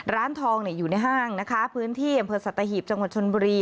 ร้านทองอยู่ในห้างนะคะพื้นที่อำเภอสัตหีบจังหวัดชนบุรี